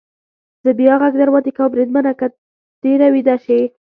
زه بیا غږ در باندې کوم، بریدمنه، که ډېر ویده شې.